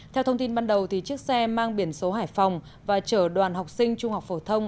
theo thông tin ban đầu chiếc xe mang biển số hải phòng và chở đoàn học sinh trung học phổ thông